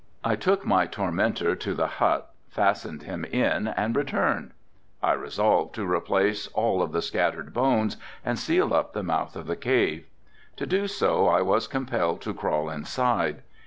I took my tormentor to the hut, fastened him in and returned. I resolved to replace all of the scattered bones and seal up the mouth of the cave. To do so I was compelled to crawl inside.